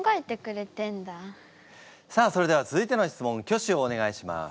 さあそれでは続いての質問挙手をお願いします。